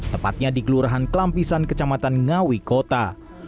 tepatnya di kelurahan kelampisan kecamatan ngawi kota